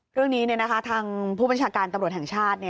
เรื่องนี้ทางผู้บัญชาการตำรวจแห่งชาติ